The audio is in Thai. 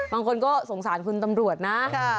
บางคนก็สงสารคุณตำรวจนะ